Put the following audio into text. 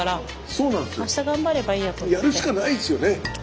やるしかないですよね！